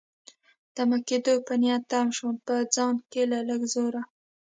دمه کېدو په نیت تم شوم، په ځان کې له لږ زور.